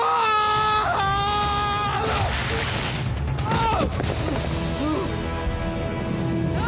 ああ。